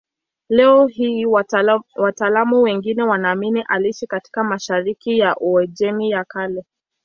Leo hii wataalamu wengi wanaamini aliishi katika mashariki ya Uajemi ya Kale.